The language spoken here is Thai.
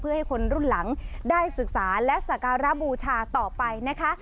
เพื่อให้คนรุ่นหลังได้ศึกษาและสการบูชาต่อไปนะคะ